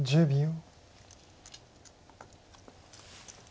１０秒。